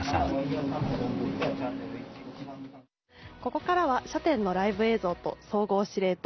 ・ここからは射点のライブ映像と総合指令棟